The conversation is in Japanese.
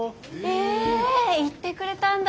え行ってくれたんだ。